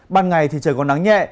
ban ngày thì trời còn nắng nhẹ